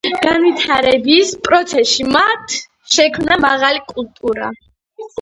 განვითარების პროცესში მათ შექმნეს მაღალი კულტურა.